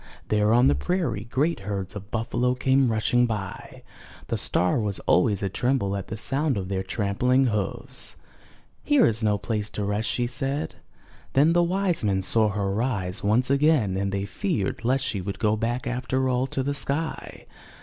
There on the prairie great herds of buffalo came rushing by; the star was always a tremble at the sound of their trampling hoofs. Here is no place to rest," she said. Then the wise men saw her rise once again and they feared lest she would go back after all to the sky.